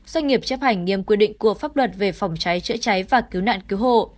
doanh nghiệp chấp hành nghiêm quy định của pháp luật về phòng cháy chữa cháy và cứu nạn cứu hộ